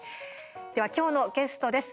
では、今日のゲストです。